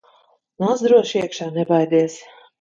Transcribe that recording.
Nāc droši iekšā, nebaidies!